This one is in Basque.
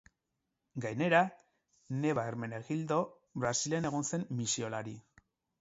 Gainera, neba Hermenegildo Brasilen egon zen misiolari.